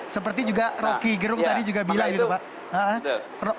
seperti juga rocky gerung tadi juga bilang gitu pak